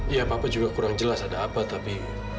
iya papa juga kurang jelas ada apa tapi